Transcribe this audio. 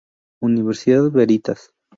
Universidad Veritas.